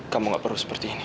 kamu gak perlu seperti ini